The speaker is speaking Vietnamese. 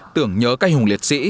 tưởng nhớ cây hùng liệt sĩ